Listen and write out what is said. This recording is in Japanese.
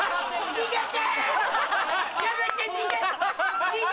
逃げて！